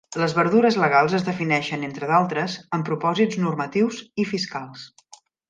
Les verdures legals es defineixen, entre d'altres, amb propòsits normatius i fiscals.